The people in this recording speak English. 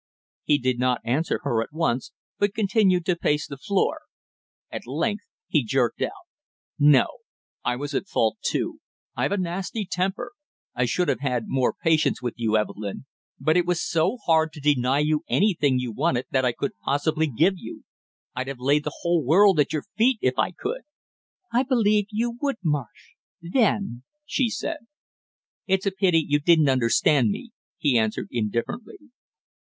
He did not answer her at once but continued to pace the floor; at length he jerked out: "No, I was at fault too. I've a nasty temper. I should have had more patience with you, Evelyn but it was so hard to deny you anything you wanted that I could possibly give you I'd have laid the whole world at your feet if I could!" "I believe you would, Marsh then!" she said. "It's a pity you didn't understand me," he answered indifferently.